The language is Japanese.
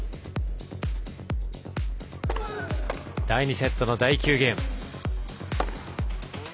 第２セットの第９ゲーム。